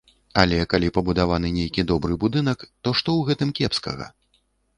Але калі пабудаваны нейкі добры будынак, то што ў гэтым кепскага?